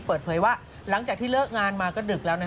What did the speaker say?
เปิดเผยว่าหลังจากที่เลิกงานมาก็ดึกแล้วนะ